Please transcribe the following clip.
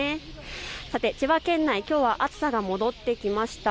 さて千葉県内、きょうは暑さが戻ってきました。